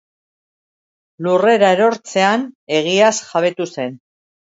Lurrera erortzean egiaz jabetu zen.